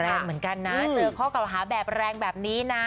แรงเหมือนกันนะเจอข้อเก่าหาแบบแรงแบบนี้นะ